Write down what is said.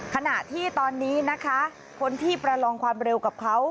ขณะที่ตอนนี้นะคะคนที่ประลองความเร็วกับเขา